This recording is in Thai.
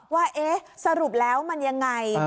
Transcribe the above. ว่าเอ๊ะสรุปแล้วมันยังไง